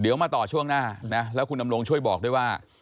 เดี๋ยวมาต่อช่วงหน้านะแล้วคุณดำรงช่วยบอกด้วยว่า